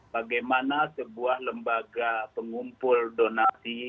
bagaimana sebuah lembaga pengumpul donasi